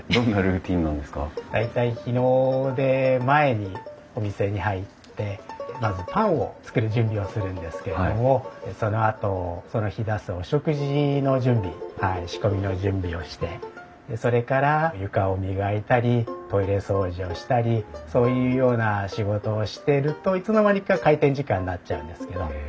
大体日の出前にお店に入ってまずパンを作る準備をするんですけれどもそのあとその日出すお食事の準備仕込みの準備をしてそれから床を磨いたりトイレ掃除をしたりそういうような仕事をしているといつの間にか開店時間になっちゃうんですけど。